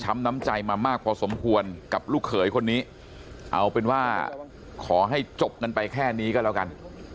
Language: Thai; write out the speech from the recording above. น้ำใจมามากพอสมควรกับลูกเขยคนนี้เอาเป็นว่าขอให้จบกันไปแค่นี้ก็แล้วกัน